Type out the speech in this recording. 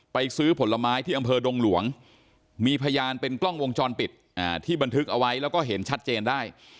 ซื้อผลไม้ที่อำเภอดงหลวงมีพยานเป็นกล้องวงจรปิดที่บันทึกเอาไว้แล้วก็เห็นชัดเจนได้